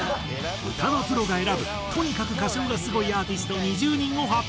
歌のプロが選ぶとにかく歌唱がスゴいアーティスト２０人を発表。